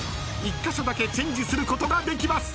［１カ所だけチェンジすることができます］